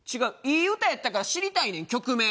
いい歌やったから知りたいねん曲名。